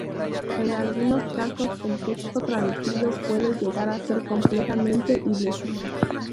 En algunos casos el texto traducido puede llegar a ser completamente ilegible.